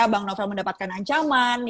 bank novel mendapatkan ancaman